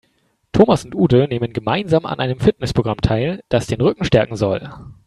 Thomas und Ute nehmen gemeinsam an einem Fitnessprogramm teil, das den Rücken stärken soll.